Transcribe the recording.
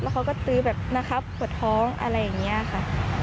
เขาก็ตื้อแบบนะครับปวดท้องอะไรอย่างนี้ค่ะ